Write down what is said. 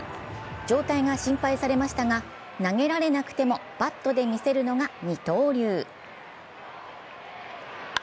状態が心配されましたが投げられなくてもバットでみせるのが二刀流。